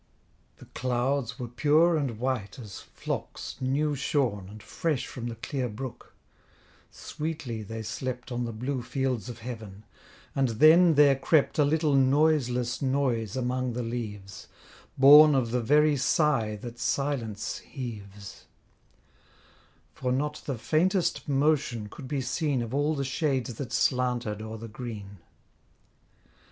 The clouds were pure and white as flocks new shorn, And fresh from the clear brook; sweetly they slept On the blue fields of heaven, and then there crept A little noiseless noise among the leaves, Born of the very sigh that silence heaves: For not the faintest motion could be seen Of all the shades that slanted o'er the green.